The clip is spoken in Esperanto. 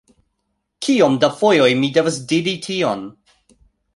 Kiom da fojoj mi devas diri tion!